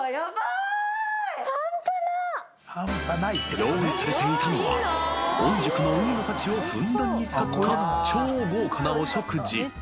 ［用意されていたのは御宿の海の幸をふんだんに使った超豪華なお食事］